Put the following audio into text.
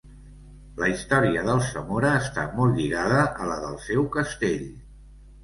La història d'Alsamora està molt lligada a la del seu castell.